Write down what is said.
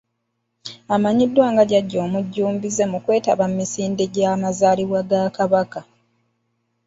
Amanyiddwa nga Jjajja omujjumbize mu kwetaba mu misinde gyamazaalibwa ga Kabaka.